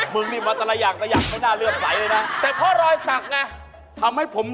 อยู่ชายแดนใต้ไปรบ